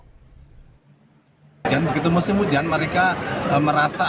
kedua kawanan ulat gagak yang berhubungan dengan kawanan ulat gagak